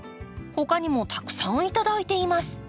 他にもたくさん頂いています。